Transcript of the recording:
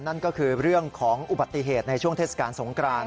นั่นก็คือเรื่องของอุบัติเหตุในช่วงเทศกาลสงกราน